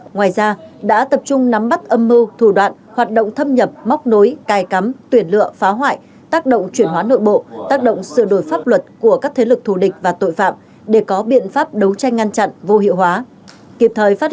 ngoài ra đã tập trung nắm bắt âm mưu thủ đoạn hoạt động thâm nhập móc nối cài cắm tuyển lựa phá hoại tác động chuyển hóa nội bộ tác động sự đổi pháp luật của các thế lực thù địch và tội phạm để có biện pháp đấu tranh ngăn chặn vô hiệu hóa